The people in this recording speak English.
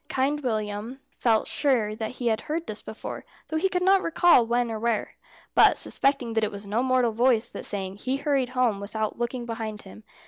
Kind William felt sure that he had heard this before, though he could not recall when or where; but suspecting that it was no mortal voice that sang, he hurried home without looking behind him.